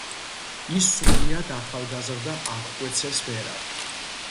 ის სრულიად ახალგაზრდა აღკვეცეს ბერად.